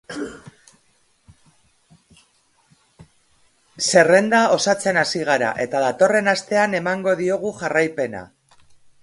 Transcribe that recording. Zerrenda osatzen hasi gara, eta datorren astean emango diogu jarraipena.